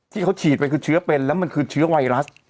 ที่เขาฉีดไปคือเชื้อเป็นแล้วมันคือเชื้อไวรัส